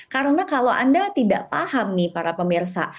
karena kalau anda tidak paham nih para pemirsa